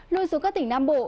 lui xuống các tỉnh nam bộ